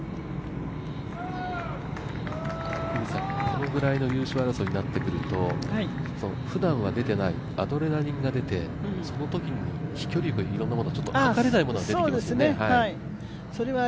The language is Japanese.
このぐらいの優勝争いになってくると、ふだんは出ていないアドレナリンが出て、そのときに飛距離とかいろんなものがはかれないときがありますよね。